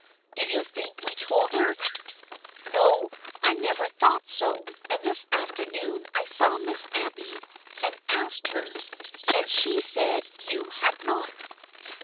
" Do you think we told her ?"" No, I never thought so, and this afternoon I saw Miss Abby and asked her, and she said you had not."